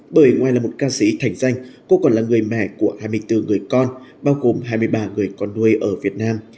bởi ngoài là một ca sĩ thành danh cô còn là người mẹ của hai mươi bốn người con bao gồm hai mươi ba người con nuôi ở việt nam